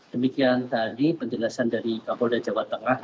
demikian tadi penjelasan dari kapolda jawa tengah